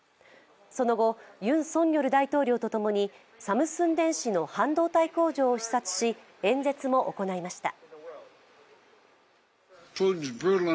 その後、ユン・ソンニョル大統領とともにサムスン電子の半導体工場を視察し、演説も行いました。